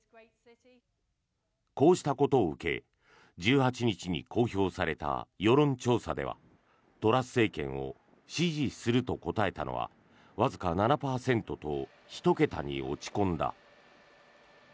こうしたことを受け１８日に公表された世論調査ではトラス政権を支持すると答えたのはわずか７％と１桁に落ち込んだ。